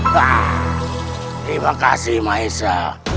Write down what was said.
terima kasih maisa